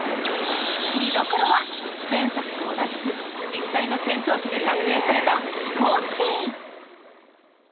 見どころは、前作と同じく実際の戦闘機で撮影された飛行シーン。